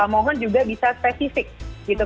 mohon juga bisa spesifik gitu